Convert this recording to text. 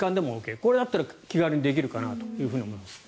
これだったら気軽にできるかなと思いますね。